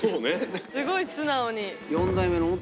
すごい素直に。